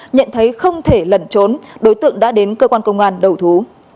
nhận thấy không thể lẩn trốn đối tượng đã đến cơ quan công an đầu thú